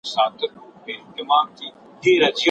رپول مي بیرغونه هغه نه یم